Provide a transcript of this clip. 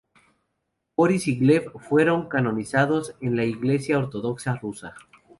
Borís y Gleb fueron canonizados en la Iglesia ortodoxa rusa.